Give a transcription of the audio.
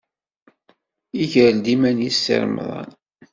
Iger-d iman-nnes Si Remḍan.